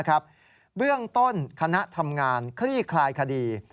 เบื้องต้นคณะทำงานคลี่คลายคดี